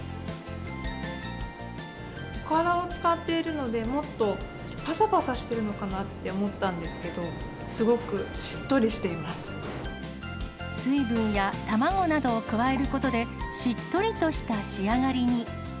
おからを使っているので、もっとぱさぱさしてるのかなって思ったんですけど、すごくしっと水分や卵などを加えることで、しっとりとした仕上がりに。